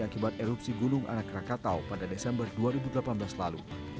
akibat erupsi gunung anak rakatau pada desember dua ribu delapan belas lalu